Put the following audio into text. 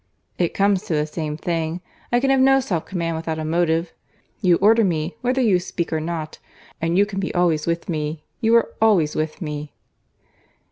"It comes to the same thing. I can have no self command without a motive. You order me, whether you speak or not. And you can be always with me. You are always with me."